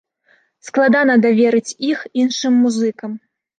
Складана даверыць іх іншым музыкам.